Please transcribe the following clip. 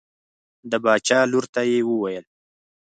د باچا لور ته یې وویل.